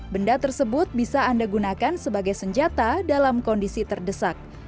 benda tersebut bisa anda gunakan sebagai senjata dalam kondisi terdesak